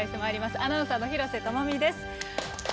アナウンサーの廣瀬智美です。